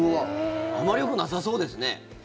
あまりよくなさそうですね。